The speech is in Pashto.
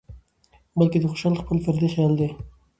بلکې د خوشال خپل فردي خيال دى